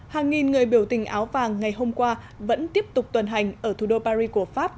hàng nghìn người biểu tình áo vàng ngày hôm qua vẫn tiếp tục tuần hành ở thủ đô paris của pháp